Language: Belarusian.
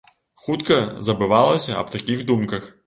Хутка забывалася аб такіх думках.